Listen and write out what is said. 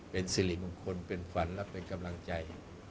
เป็นสิริมงคลเป็นฝันและเป็นกำลังใจ